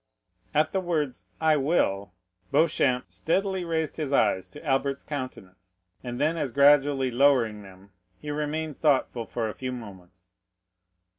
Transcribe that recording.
At the words I will, Beauchamp steadily raised his eyes to Albert's countenance, and then as gradually lowering them, he remained thoughtful for a few moments.